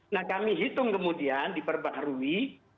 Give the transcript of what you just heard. nah kami hitung kemudian diperbaharui